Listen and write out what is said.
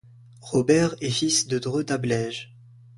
Robert est fils de Dreux d'Ableiges.